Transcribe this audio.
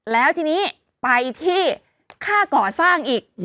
แล้วทีนี้ไปที่ค่าก่อสร้างอีก